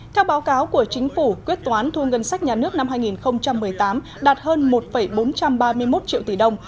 theo báo cáo của chính phủ quyết toán thu ngân sách nhà nước năm hai nghìn một mươi tám đạt hơn một bốn trăm ba mươi một triệu tỷ đồng